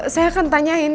saya akan tanyain